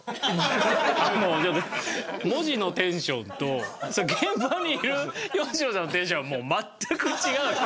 あの文字のテンションと現場にいる吉野さんのテンションがもう全く違う。